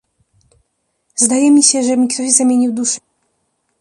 "Zdaje mi się, że mi ktoś zamienił duszę!“..."